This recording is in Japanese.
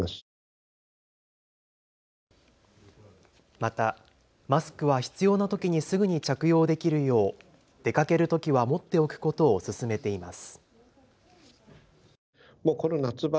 またマスクは必要なときにすぐに着用できるよう出かけるときは持っておくことを勧めています。